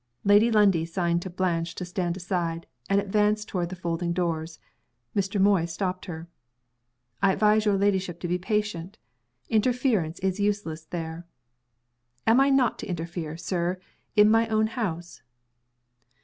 Lady Lundie signed to Blanche to stand aside, and advanced toward the folding doors. Mr. Moy stopped her. "I advise your ladyship to be patient. Interference is useless there." "Am I not to interfere, Sir, in my own house?"